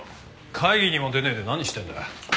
会議にも出ねえで何してんだよ。